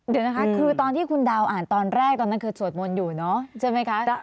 เดี๋ยวนะคะคือตอนที่คุณดาวอ่านตอนแรกตอนนั้นคือสวดมนต์อยู่เนอะใช่ไหมคะ